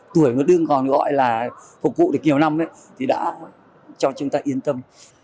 tuổi nó đương còn gọi là phục vụ được nhiều năm ấy thì đã cho chúng ta yên tâm